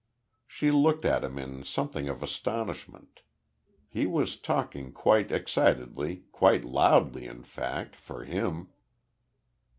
She looked at him in something of astonishment. He was talking quite excitedly, quite loudly in fact, for him.